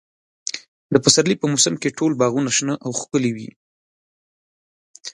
د پسرلي په موسم کې ټول باغونه شنه او ښکلي وي.